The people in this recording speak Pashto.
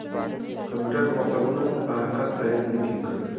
کمپیوټر پرمختګونه د حرکت تایید ممکن کړي.